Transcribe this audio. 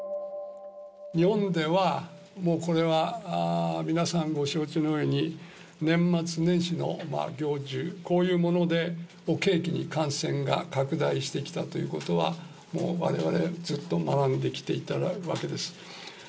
日本では、もうこれは皆さんご承知のように年末年始の行事、こういうものを契機に感染が拡大してきたということは、もうわれわれずっと学んできたわけです。